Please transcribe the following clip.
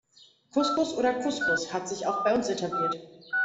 Couscous oder Kuskus hat sich auch bei uns etabliert.